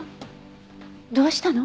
どうしたの？